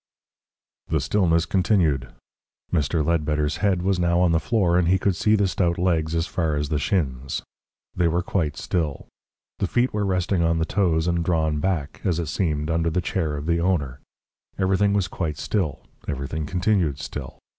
The stillness continued. Mr. Ledbetter's head was now on the floor, and he could see the stout legs as far as the shins. They were quite still. The feet were resting on the toes and drawn back, as it seemed, under the chair of the owner. Everything was quite still, everything continued still.